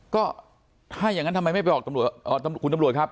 ก็ถ้าอย่างนั้นทำไมไม่ไปบอกตำรวจคุณตำรวจครับ